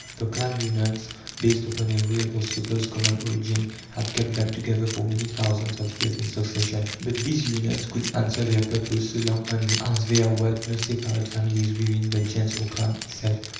The clan unions, based upon a real or supposed common origin, had kept them together for many thousands of years in succession. But these unions could answer their purpose so long only as there were no separate families within the gens or clan itself.